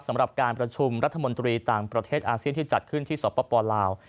สำหรับการประชุมรัฐมนตรีต่างประเทศอาเซียนที่จัดขึ้นที่สปลาว